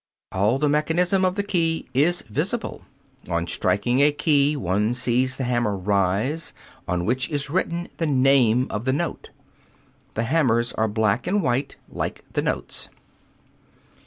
All the mechanism of the key is visible. (Fig. 39.) On striking a key one sees the hammer rise, on which is written the name of the note. The hammers are black and white, like the notes.